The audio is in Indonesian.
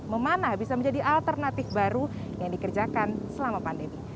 memanah bisa menjadi alternatif baru yang dikerjakan selama pandemi